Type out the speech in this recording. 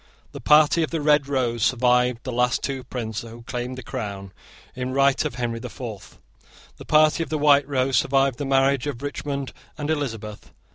The party of the Red Rose survived the last prince who claimed the crown in right of Henry the Fourth. The party of the White Rose survived the marriage of Richmond and Elizabeth.